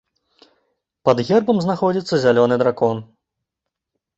Пад гербам знаходзіцца зялёны дракон.